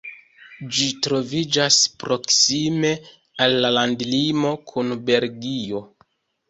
Ĝi troviĝas proksime al la landlimo kun Belgio.